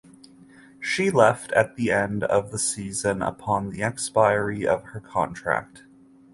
She left at the end of the season upon the expiry of her contract.